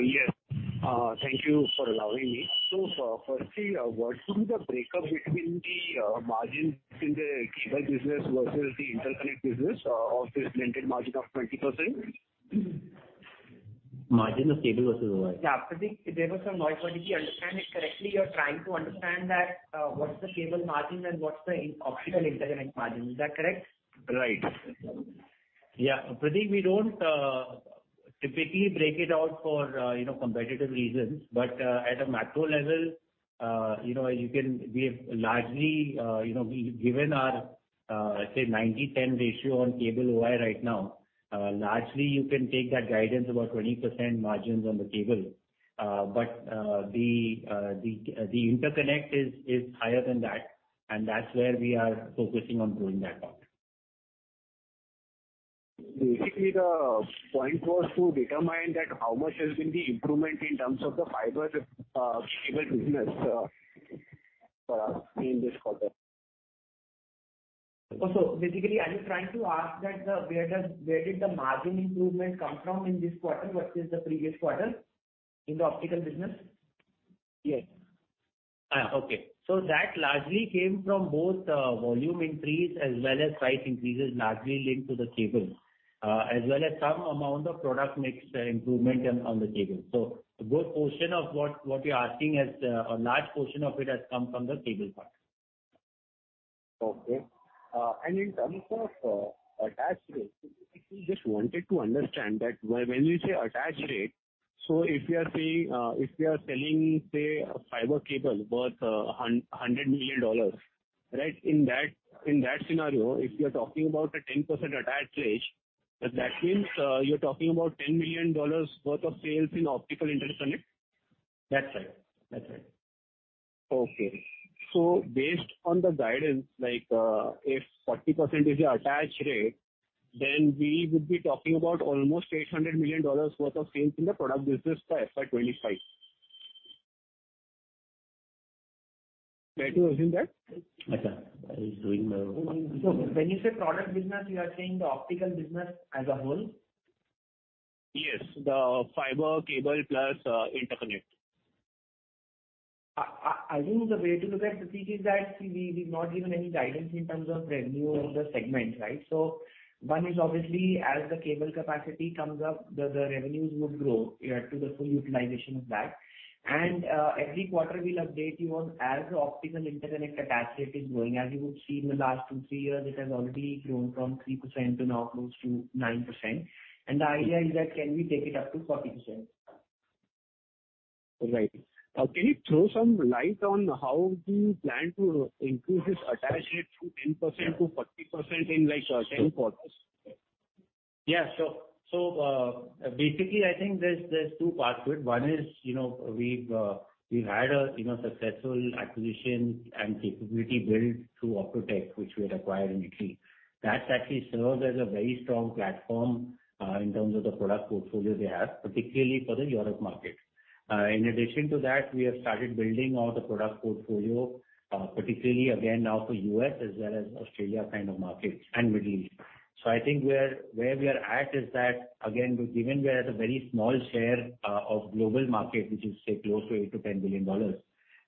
Yes. Thank you for allowing me. Firstly, what will be the breakup between the margin between the cable business versus the interconnect business of this blended margin of 20%? Margin of cable versus what? Yeah. Pratik, there was some noise, but if you understand it correctly, you're trying to understand that, what's the cable margin and what's the optical interconnect margin. Is that correct? Right. Yeah. Pratik, we don't typically break it out for you know, competitive reasons. At a macro level, you know, we have largely you know, we've given our say, 90/10 ratio on cable OI right now. Largely you can take that guidance about 20% margins on the cable. The interconnect is higher than that, and that's where we are focusing on growing that part. Basically, the point was to determine that how much has been the improvement in terms of the fiber cable business in this quarter. Basically, are you trying to ask that, where did the margin improvement come from in this quarter versus the previous quarter in the optical business? Yes. That largely came from both volume increase as well as price increases largely linked to the cable, as well as some amount of product mix improvement on the cable. Both portion of what you're asking has a large portion of it has come from the cable part. Okay. In terms of attach rate, basically just wanted to understand that when you say attach rate, so if you are saying if you are selling, say, a fiber cable worth $100 million, right? In that scenario, if you are talking about a 10% attach rate, does that means you're talking about $10 million worth of sales in optical interconnect? That's right. That's right. Okay. Based on the guidance, like, if 40% is your attach rate, then we would be talking about almost $800 million worth of sales in the product business by FY 2025. May I assume that? Okay. I was doing my own. When you say product business, you are saying the optical business as a whole? Yes. The fiber cable plus interconnect. I assume the way to look at this is that we've not given any guidance in terms of revenue in the segment, right? One is obviously as the cable capacity comes up, the revenues would grow, yeah, to the full utilization of that. Every quarter we'll update you on as the optical interconnect attach rate is growing. As you would see in the last two, three years, it has already grown from 3% to now close to 9%. The idea is that can we take it up to 40%. Right. Can you throw some light on how do you plan to increase this attach rate from 10% to 40% in like 10 quarters? Yeah, sure. Basically, I think there's two parts to it. One is, you know, we've had a successful acquisition and capability build through Optotec, which we had acquired in Italy. That actually serves as a very strong platform in terms of the product portfolio they have, particularly for the Europe market. In addition to that, we have started building out the product portfolio, particularly again now for U.S. as well as Australia kind of markets and Middle East. I think where we are at is that, again, given we are at a very small share of global market, which is, say, close to $8 billion-$10 billion,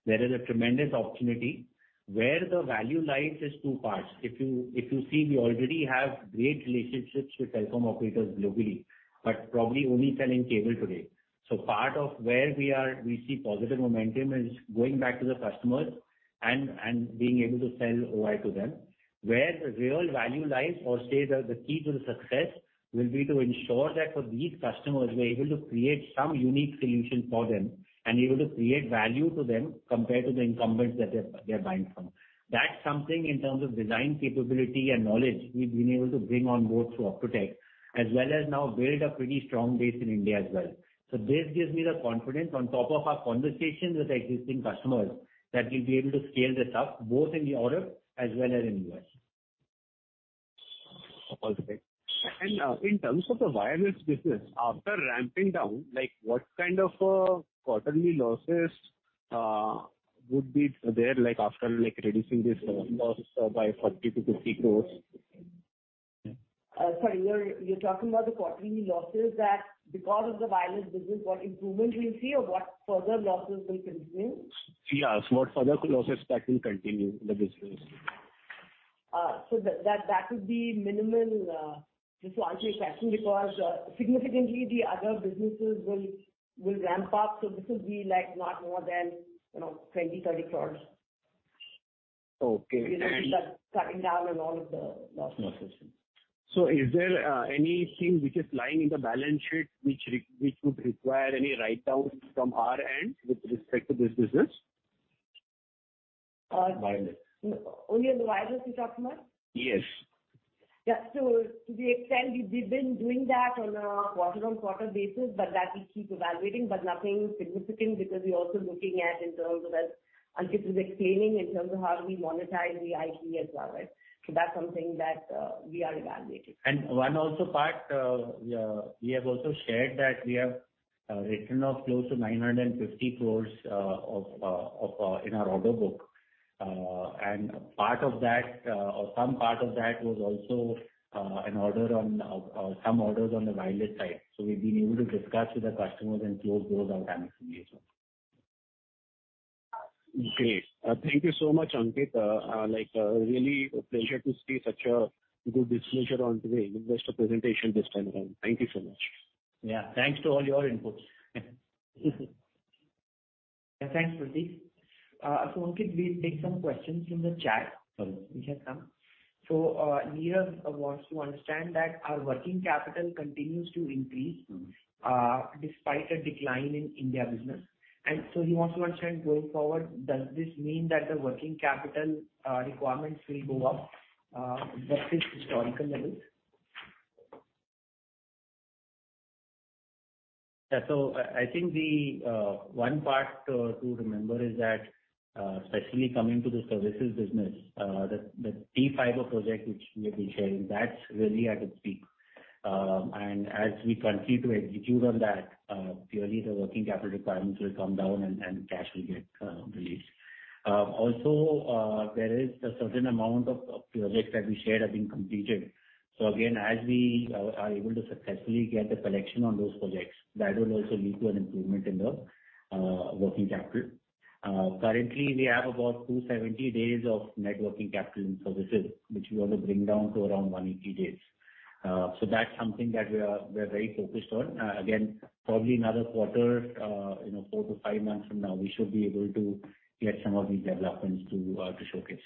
there is a tremendous opportunity. Where the value lies is two parts. If you see, we already have great relationships with telecom operators globally, but probably only selling cable today. Part of where we are, we see positive momentum is going back to the customers and being able to sell OI to them. Where the real value lies, or say the key to the success will be to ensure that for these customers, we're able to create some unique solution for them and able to create value to them compared to the incumbents that they're buying from. That's something in terms of design capability and knowledge we've been able to bring on board through Optotec, as well as now build a pretty strong base in India as well. This gives me the confidence on top of our conversations with existing customers that we'll be able to scale this up both in Europe as well as in U.S. Okay. In terms of the wireless business, after ramping down, like, what kind of quarterly losses would be there, like, after, like, reducing this loss by 40-50 crores? Sorry, you're talking about the quarterly losses that because of the wireless business. What improvement we'll see or what further losses will continue? Yes. What further losses that will continue in the business? That would be minimal, just to answer your question, because significantly the other businesses will ramp up. This will be like not more than, you know, 20-30 crore. Okay. You know, with the cutting down on all of the losses. Is there anything which is lying in the balance sheet which would require any write down from our end with respect to this business? Wireless. Only on the wireless you're talking about? Yes. Yeah. To the extent we've been doing that on a quarter-on-quarter basis, but that we keep evaluating, but nothing significant because we're also looking at in terms of as Ankit is explaining in terms of how do we monetize the IP as well. That's something that we are evaluating. One other part, we have also shared that we have written off close to 950 crores in our order book. Part of that, or some part of that was also and some orders on the wireless side. We've been able to discuss with the customers and close those dynamically as well. Great. Thank you so much, Ankit. Like, really a pleasure to see such a good disclosure in today's investor presentation this time around. Thank you so much. Thanks to all your inputs. Thanks, Pratik. Ankit, we take some questions from the chat which has come. Mihir wants to understand that our working capital continues to increase, despite a decline in India business. He wants to understand going forward, does this mean that the working capital requirements will go up versus historical levels? Yeah. I think the one part to remember is that, especially coming to the services business, the T-Fiber project which we have been sharing, that's really at its peak. As we continue to execute on that, purely the working capital requirements will come down and cash will get released. Also, there is a certain amount of projects that we shared have been completed. Again, as we are able to successfully get the collection on those projects, that will also lead to an improvement in the working capital. Currently we have about 270 days of Net Working Capital in services, which we want to bring down to around 180 days. That's something that we're very focused on. Again, probably another quarter, you know, four to five months from now, we should be able to get some of these developments to showcase.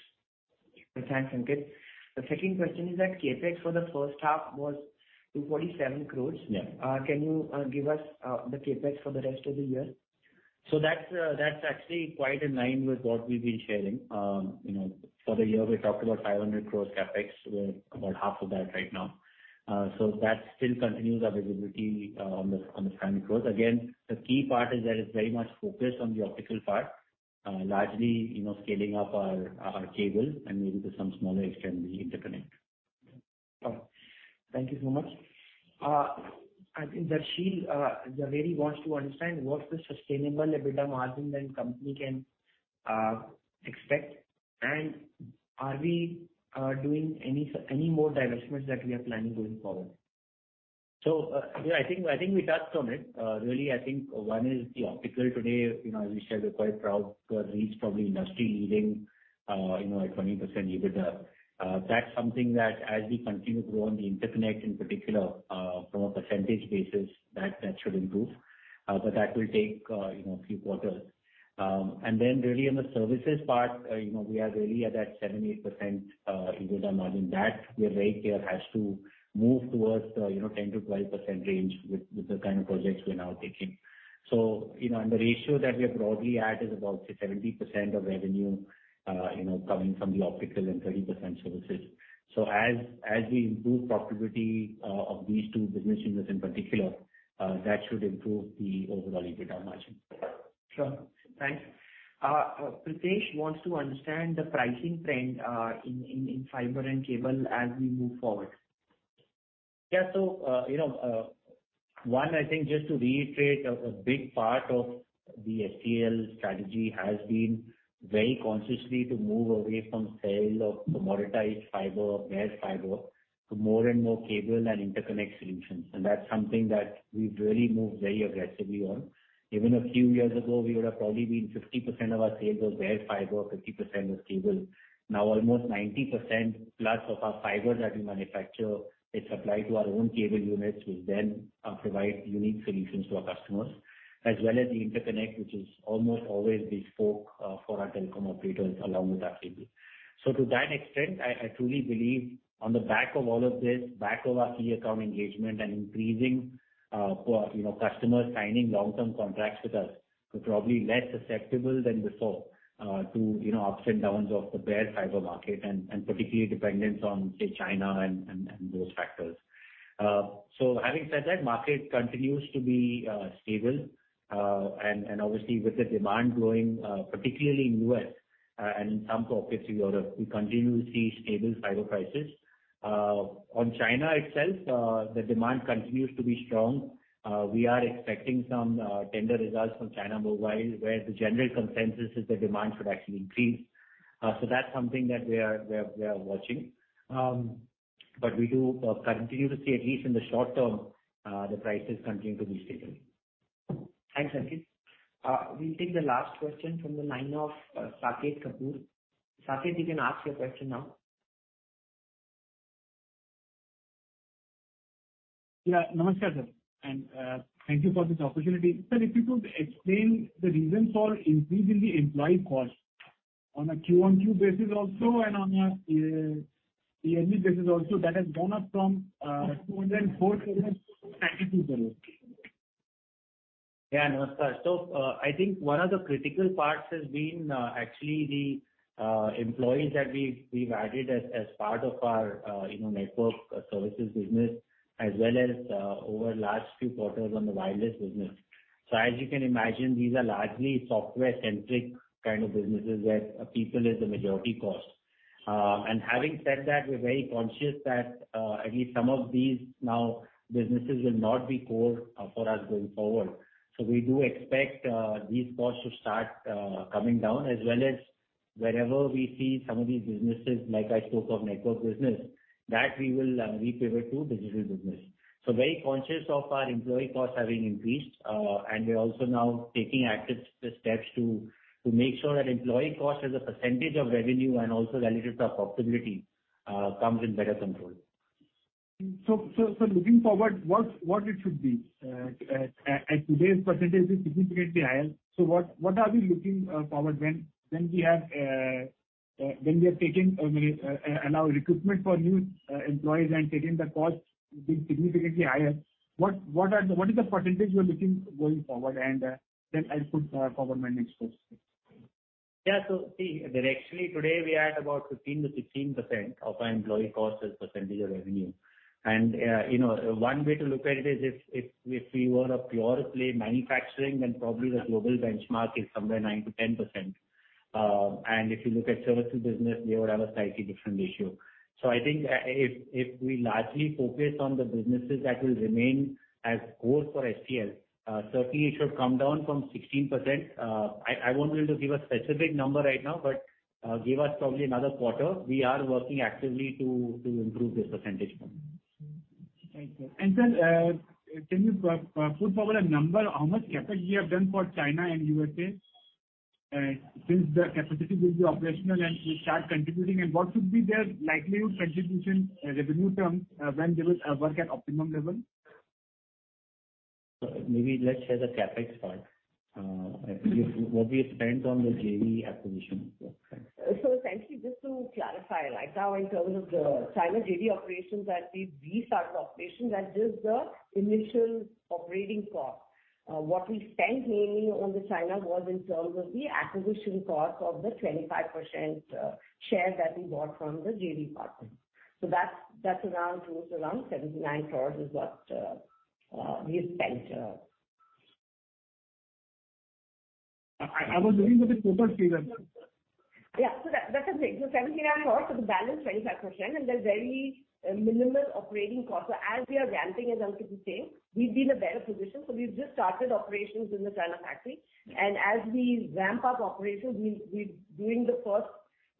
Thanks, Ankit. The second question is that CapEx for the first half was 247 crores. Yeah. Can you give us the CapEx for the rest of the year? That's actually quite in line with what we've been sharing. You know, for the year, we talked about 500 crore CapEx. We're about half of that right now. That still continues our visibility on the spending growth. Again, the key part is that it's very much focused on the optical part, largely, you know, scaling up our cable and maybe to some smaller extent the interconnect. Thank you so much. I think Darshil really wants to understand what's the sustainable EBITDA margin that a company can expect, and are we doing any more divestments that we are planning going forward? I think we touched on it. Really, I think one is the optical today, you know, as we said, we're quite proud to have reached probably industry-leading, you know, at 20% EBITDA. That's something that as we continue to grow on the interconnect in particular, from a percentage basis that should improve. That will take, you know, a few quarters. Really on the services part, you know, we are really at that 70% EBITDA margin that we're very clear has to move towards, you know, 10%-12% range with the kind of projects we're now taking. You know, the ratio that we are broadly at is about say 70% of revenue, you know, coming from the optical and 30% services. As we improve profitability of these two business units in particular, that should improve the overall EBITDA margin. Sure. Thanks. Pritesh wants to understand the pricing trend in fiber and cable as we move forward. Yeah. You know, one, I think just to reiterate, a big part of the STL strategy has been very consciously to move away from sale of commoditized fiber or bare fiber to more and more cable and interconnect solutions. That's something that we've really moved very aggressively on. Even a few years ago, we would have probably been 50% of our sales was bare fiber, 50% was cable. Now almost 90%+ of our fiber that we manufacture is supplied to our own cable units, which then provide unique solutions to our customers, as well as the interconnect, which is almost always bespoke for our telecom operators along with our cable. To that extent, I truly believe on the back of all of this, back of our key account engagement and increasing, you know, customers signing long-term contracts with us, we're probably less susceptible than before, to, you know, ups and downs of the bare fiber market and particularly dependence on, say, China and those factors. Having said that, market continues to be stable. And obviously with the demand growing, particularly in U.S., and some pockets in Europe, we continue to see stable fiber prices. On China itself, the demand continues to be strong. We are expecting some tender results from China Mobile, where the general consensus is the demand should actually increase. That's something that we are watching. We do continue to see, at least in the short term, the prices continue to be stable. Thanks, Ankit. We'll take the last question from the line of Saket Kapoor. Saket, you can ask your question now. Namaskar, sir. Thank you for this opportunity. Sir, if you could explain the reasons for increase in the employee cost on a Q-on-Q basis also and on a yearly basis also, that has gone up from 204 million-282 million. Yeah. Namaskar. I think one of the critical parts has been actually the employees that we've added as part of our you know network services business as well as over last few quarters on the wireless business. As you can imagine, these are largely software-centric kind of businesses where people is the majority cost. And having said that, we're very conscious that at least some of these now businesses will not be core for us going forward. We do expect these costs to start coming down as well as wherever we see some of these businesses, like I spoke of network business, that we will repivot to digital business. Very conscious of our employee costs having increased, and we're also now taking active steps to make sure that employee cost as a percentage of revenue and also relative to our profitability comes in better control. Looking forward, what it should be? Today's percentage is significantly higher. What are we looking forward when we have when we are taking, maybe now, recruitment for new employees and the cost being significantly higher? What is the percentage you are looking going forward? Then I'll cover my next question. Yeah. See, directionally today we are at about 15%-16% of our employee cost as percentage of revenue. One way to look at it is if we were a pure play manufacturing, then probably the global benchmark is somewhere 9%-10%. If you look at services business, we would have a slightly different ratio. I think, if we largely focus on the businesses that will remain as core for STL, certainly it should come down from 16%. I won't be able to give a specific number right now, but give us probably another quarter. We are working actively to improve this percentage. Thank you. Sir, can you put forward a number how much CapEx you have done for China and USA, since the capacity will be operational and will start contributing? What would be their likely contribution, revenue terms, when they will work at optimum level? Maybe let's share the CapEx part. If what we spent on the JV acquisition as well. Thanks. Essentially just to clarify, like now in terms of the China JV operations that we've restarted operations, that's just the initial operating cost. What we spent mainly on the China was in terms of the acquisition cost of the 25% share that we bought from the JV partner. That's around, it was around 79 crore is what we have spent. I was looking at the total figure. Yeah. That, that's the thing. The 7 million for the balance 25%, and there's very, minimal operating costs. As we are ramping, as Ankit was saying, we'll be in a better position. We've just started operations in the China factory. As we ramp up operations, we during the course,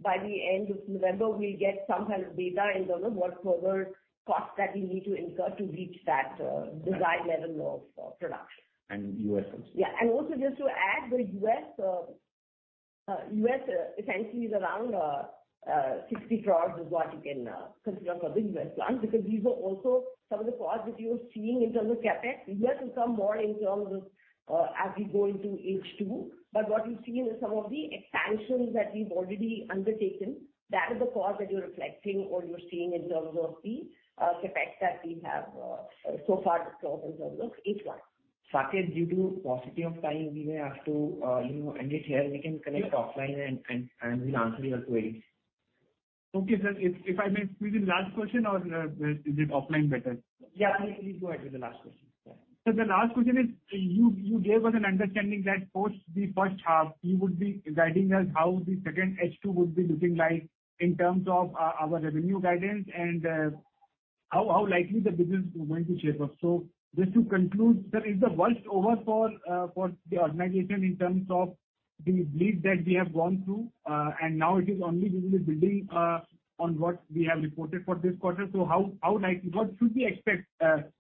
by the end of November, we'll get some kind of data in terms of what further costs that we need to incur to reach that, desired level of production. U.S. also. Yeah. Also just to add, the US essentially is around 60 crores, which you can consider for the US plant. These were also some of the costs which you were seeing in terms of CapEx. US will come more in terms of as we go into H2. What you see is some of the expansions that we've already undertaken. That is the cost that you're reflecting or you're seeing in terms of the CapEx that we have so far absorbed in terms of H1. Saket, due to paucity of time, we may have to, you know, end it here. We can connect offline and we'll answer your queries. Okay, sir. If I may squeeze in last question or is it offline better? Yeah, please go ahead with the last question. Yeah. The last question is, you gave us an understanding that post the first half you would be guiding us how the second H2 would be looking like in terms of our revenue guidance and how likely the business is going to shape up. Just to conclude, sir, is the worst over for the organization in terms of the grief that we have gone through, and now it is only really building on what we have reported for this quarter. What should we expect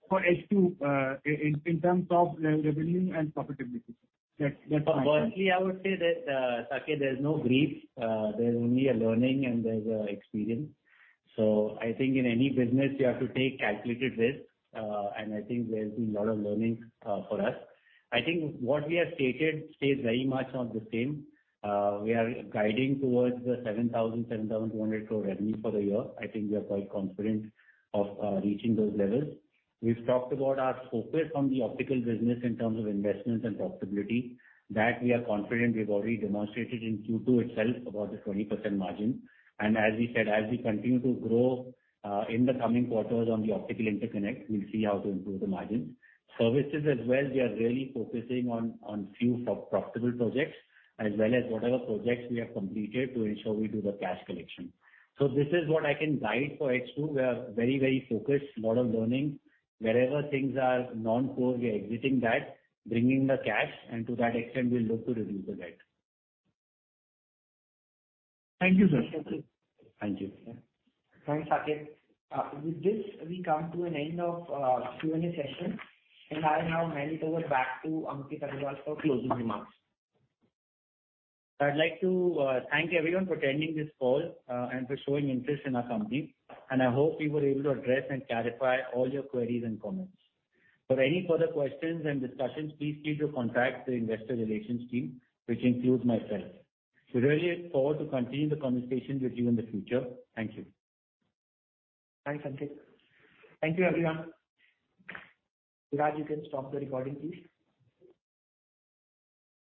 for H2 in terms of revenue and profitability? That's my question. Firstly, I would say that, Saket, there's no grief. There's only a learning and experience. I think in any business you have to take calculated risk, and I think there's been a lot of learning, for us. I think what we have stated stays very much on the same. We are guiding towards the 7,100 crore revenue for the year. I think we are quite confident of reaching those levels. We've talked about our focus on the optical business in terms of investments and profitability, that we are confident. We've already demonstrated in Q2 itself about the 20% margin. As we said, as we continue to grow, in the coming quarters on the optical interconnect, we'll see how to improve the margin. Services as well, we are really focusing on few profitable projects as well as whatever projects we have completed to ensure we do the cash collection. This is what I can guide for H2. We are very focused, lot of learning. Wherever things are non-core, we are exiting that, bringing the cash, and to that extent we'll look to reduce the debt. Thank you, sir. Thank you. Thanks, Saket. With this we come to an end of Q&A session. I now hand it over back to Ankit Agarwal for closing remarks. I'd like to thank everyone for attending this call, and for showing interest in our company. I hope we were able to address and clarify all your queries and comments. For any further questions and discussions, please feel free to contact the investor relations team, which includes myself. We really look forward to continuing the conversation with you in the future. Thank you. Thanks, Ankit. Thank you, everyone. Raj, you can stop the recording, please.